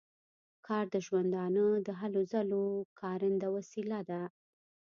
کار د ژوندانه د هلو ځلو کارنده وسیله ده.